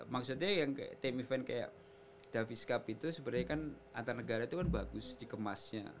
maksudnya yang kayak tim event kayak davis cup itu sebenarnya kan antar negara itu kan bagus dikemasnya